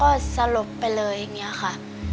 บางครั้งนะคะก็สลบไปเลยอย่างเนี้ยค่ะ